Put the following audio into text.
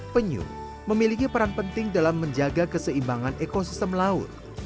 penyu memiliki peran penting dalam menjaga keseimbangan ekosistem laut